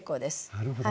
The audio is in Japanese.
なるほど。